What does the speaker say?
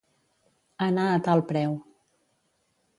Anar a tal preu.